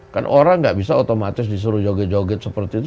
kan orang nggak bisa otomatis disuruh joget joget seperti itu